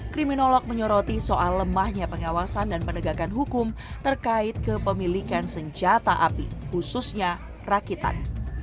kriminolog menyoroti soal lemahnya pengawasan dan penegakan hukum terkait kepemilikan senjata api khususnya rakitan